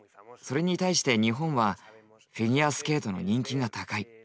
それに対して日本はフィギュアスケートの人気が高い。